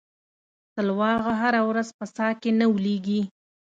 سلواغه هره ورځ په څا کې نه ولېږي.